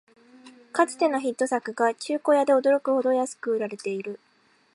かつてのヒット作が中古屋で驚くほど安く売られてる